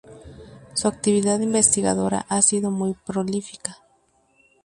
Su actividad investigadora ha sido muy prolífica.